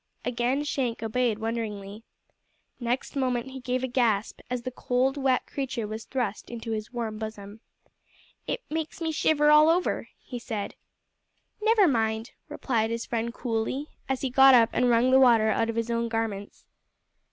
Again Shank obeyed wonderingly. Next moment he gave a gasp as the cold, wet creature was thrust into his warm bosom. "It makes me shiver all over," he said. "Never mind," replied his friend coolly, as he got up and wrung the water out of his own garments.